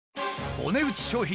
お値打ち商品？